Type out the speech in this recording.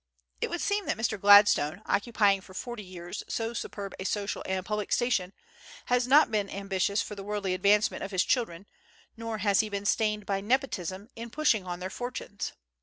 It would seem that Mr. Gladstone, occupying for forty years so superb a social and public station, has not been ambitious for the worldly advancement of his children, nor has he been stained by nepotism in pushing on their fortunes.